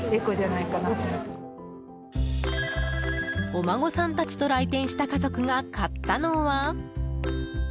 お孫さんたちと来店した家族が買ったのは。